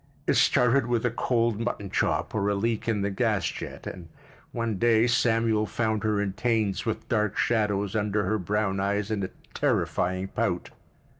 It started with a cold mutton chop or a leak in the gas jet—and one day Samuel found her in Taine's, with dark shadows under her brown eyes and a terrifying pout.